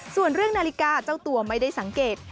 ส่วนเรื่องนาฬิกาเจ้าตัวไม่ได้สังเกต